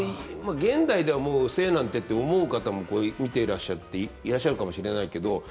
現代ではもう「精なんて」って思う方も見ていらっしゃっていらっしゃるかもしれないけど。